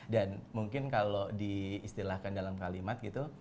dan mungkin kalau diistilahkan dalam kalimat